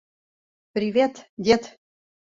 Привет, дед!